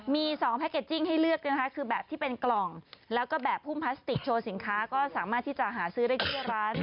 มี๒แพ็กเกจจิ้งให้เลือกนะคะคือแบบที่เป็นกล่องแล้วก็แบบพุ่มพลาสติกโชว์สินค้าก็สามารถที่จะหาซื้อได้ทุกร้าน